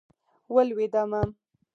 ولوېدمه.